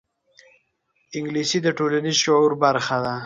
انګلیسي د ټولنیز شعور برخه ده